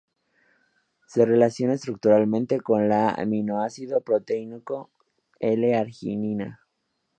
Se relaciona estructuralmente con el aminoácido proteínico L-arginina.